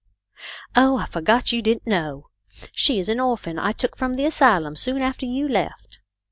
" Oh, I forgot you didn't know. She is an orphan I took from the asylum soon after you left.